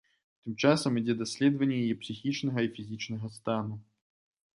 Тым часам ідзе даследаванне яе псіхічнага і фізічнага стану.